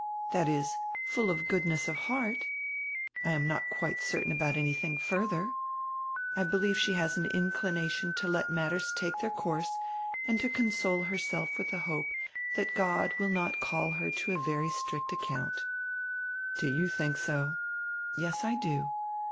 That is, full of goodness of heart. I am not quite certain about anything further. I believe she has an inclination to let matters take their course and to console herself with the hope that God will not call her to a very strict account." "Do you think so?" "Yes, I do.